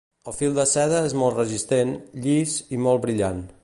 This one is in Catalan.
El fil de seda és molt resistent, llis i molt brillant.